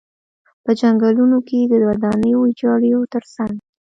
په جنګونو کې د ودانیو ویجاړیو تر څنګ.